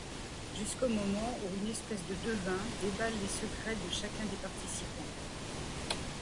Jusqu'au moment où une espèce de devin déballe les secrets de chacun des participants.